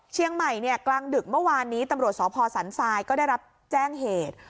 เชียงใหม่เนี่ยกลางดึกเมื่อวานนี้ตำรวจสพสันทรายก็ได้รับแจ้งเหตุ